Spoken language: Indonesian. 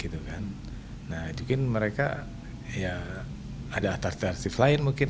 nah mungkin mereka ada atas tertentu lain mungkin